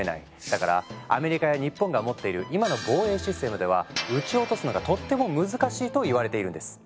だからアメリカや日本が持っている今の防衛システムでは撃ち落とすのがとっても難しいといわれているんです。